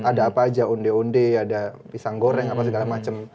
ada apa aja onde onde ada pisang goreng apa segala macam